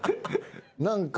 何か。